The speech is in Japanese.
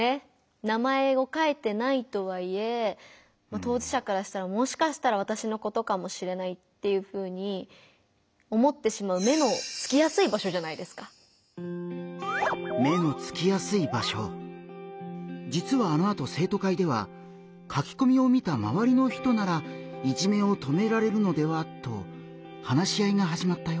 名前を書いてないとはいえ当事者からしたらもしかしたらわたしのことかもしれないっていうふうに思ってしまうじつはあのあと生徒会では「書きこみを見た周りの人ならいじめを止められるのでは」と話し合いがはじまったよ。